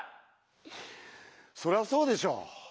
そりゃあそうでしょう。